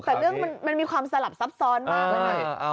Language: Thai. แต่เรื่องมันมีความสลับซับซ้อนมากเลยนะ